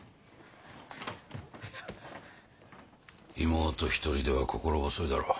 妹一人では心細いだろう。